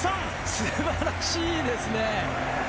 素晴らしいですね！